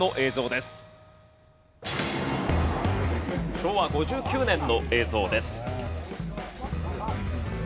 昭和５９年の映像です。